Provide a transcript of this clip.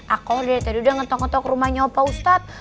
aku udah dari tadi udah ngetok ngetok rumahnya bapak ustadz